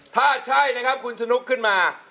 ถ้าใช่นะครับคุณสนุกขึ้นมา